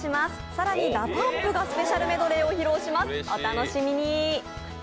更にＤＡＰＵＭＰがスペシャルメドレーを披露します、お楽しみに。